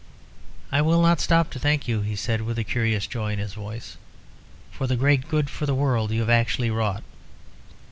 "I will not stop to thank you," he said, with a curious joy in his voice, "for the great good for the world you have actually wrought.